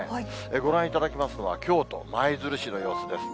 ご覧いただきますのは、京都・舞鶴市の様子です。